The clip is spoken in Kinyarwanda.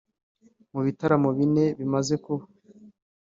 Mu bitaramo bine bimaze kuba